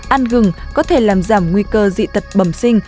ăn gừng có thể làm giảm nguy cơ dị tật bẩm sinh